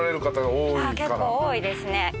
結構多いですね。